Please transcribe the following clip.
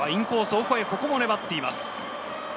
オコエ、ここも粘っています。